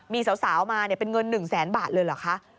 มีสาวมาเป็นเงิน๑แสนบาทเลยเหรอคะ